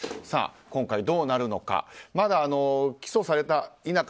今回どうなるのかまだ、起訴されているか